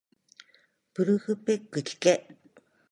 ブルフペックきけ